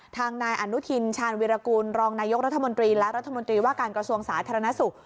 ทางนายอนุทินชาญวิรากูลรองนายกรัฐมนตรีและรัฐมนตรีว่าการกระทรวงสาธารณสุข